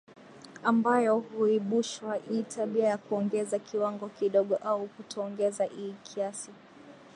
ambayo huibushwa ii tabia ya kuongeza kiwango kidogo au kutoongeza iii kiasi